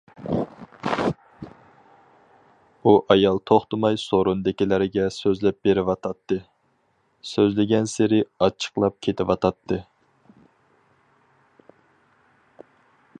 ئۇ ئايال، توختىماي سورۇندىكىلەرگە سۆزلەپ بېرىۋاتاتتى، سۆزلىگەنسېرى ئاچچىقلاپ كېتىۋاتاتتى.